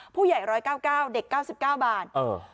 ผู้ใหญ่๑๙๙เด็ก๙๙บาท